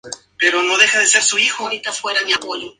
Pero no habría sido honesto intelectualmente.